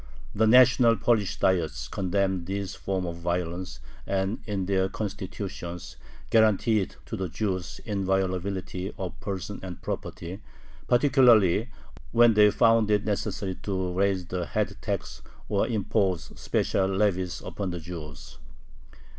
The national Polish Diets condemned these forms of violence, and in their "constitutions" guaranteed to the Jews inviolability of person and property, particularly when they found it necessary to raise the head tax or impose special levies upon the Jews.